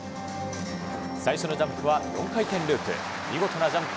最初のジャンプは４回転ループ。